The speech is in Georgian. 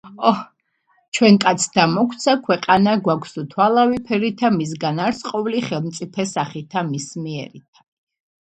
ჩვენ, კაცთა, მოგვცა ქვეყანა, გვაქვსუთვალავი ფერითა, მისგან არს ყოვლი ხელმწიფე სახითა მის მიერითა